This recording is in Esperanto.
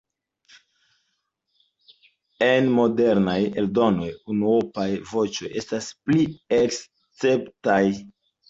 En modernaj eldonoj unuopaj voĉoj estas pli esceptaj.